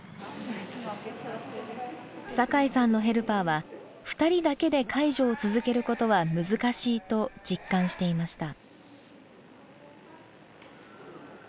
酒井さんのヘルパーは２人だけで介助を続けることは難しいと実感していました。